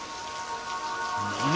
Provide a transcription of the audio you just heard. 何！？